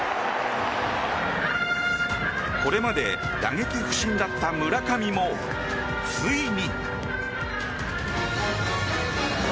これまで打撃不振だった村上もついに。